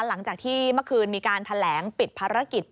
หลังจากที่เมื่อคืนมีการแถลงปิดภารกิจ